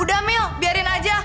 udah mil biarin aja